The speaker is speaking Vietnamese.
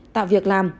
tạo việc làm